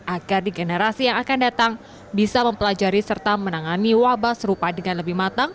agar di generasi yang akan datang bisa mempelajari serta menangani wabah serupa dengan lebih matang